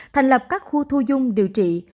thành lập các khu thu dung điều trị